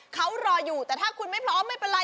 เค้ารออยู่แต่ถ้าคุณไม่พร้อมไม่ประลัย